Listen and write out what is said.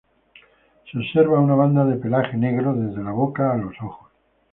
Se observa una banda de pelaje negro desde la boca a los ojos.